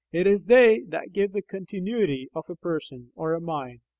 It is they that give the continuity of a "person" or a "mind."